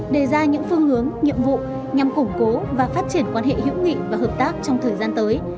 đề ra những phương hướng nhiệm vụ nhằm củng cố và phát triển quan hệ hữu nghị và hợp tác trong thời gian tới